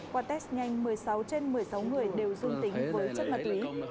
qua test nhanh một mươi sáu trên một mươi sáu người đều dương tính với chất ma túy